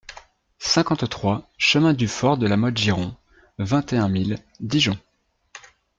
cinquante-trois chemin du Fort de la Motte Giron, vingt et un mille Dijon